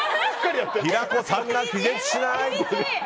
平子さんが気絶しない！